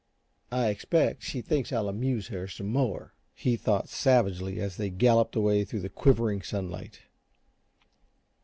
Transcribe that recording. "I expect she thinks I'll amuse her some more!" he thought, savagely, as they galloped away through the quivering sunlight.